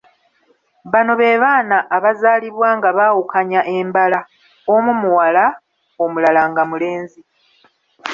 Bano be baana abazaalibwa nga baawukanya embala: omu muwala omulala nga mulenzi.